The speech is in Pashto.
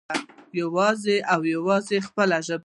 يوازې او يوازې د خپلو ژبې